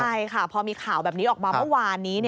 ใช่ค่ะพอมีข่าวแบบนี้ออกมาเมื่อวานนี้